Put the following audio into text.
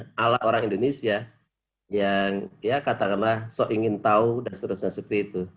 tapi dengan ala orang indonesia yang katakanlah seingin tahu dan sebagainya seperti itu